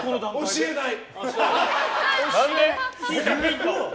教えない！